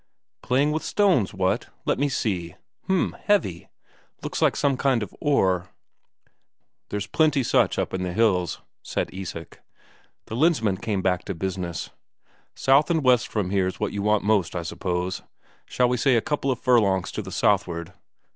"Playing with stones, what? Let me see. H'm, heavy. Looks like some kind of ore." "There's plenty such up in the hills," said Isak. The Lensmand came back to business. "South and west from here's what you want most, I suppose? Shall we say a couple of furlongs to the southward?"